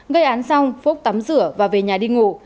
gây án xong phúc tắm rửa và về nhà đi ngủ